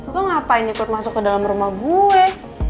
kok ngapain ikut masuk ke dalam rumah gue